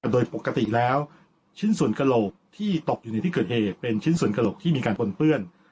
โดยปกติแล้วชิ้นส่วนกระโหลกที่ตกอยู่ในที่เกิดเหตุเป็นชิ้นส่วนกระโหลกที่มีการปนเปื้อน